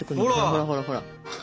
ほらほらほら。